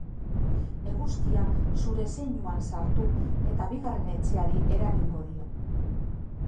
Eguzkia zure zeinuan sartu eta bigarren etxeari eragingo dio.